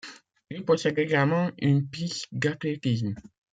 Il possède également une piste d'athlétisme.